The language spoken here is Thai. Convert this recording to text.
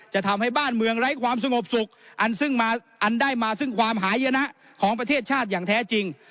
จะทำให้บ้านเมืองไร้ความสงบสุขอันซึ่งอันได้มาซึ่งความหายนะของประเทศชาติอย่างแท้จริง